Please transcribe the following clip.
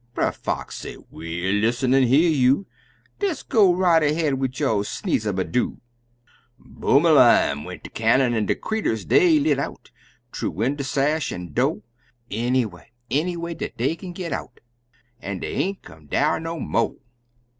Brer Fox say, "We'll lissen an' hear you Des go right ahead wid yo' sneeze a ma roo!" Boom a lam! went de cannon, an' de creeturs, dey lit out Thoo window sash an' do' Any way, any way dat dey kin git oot, An' dey aint come dar no mo'!